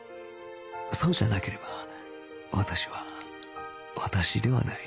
そうじゃなければ私は私ではない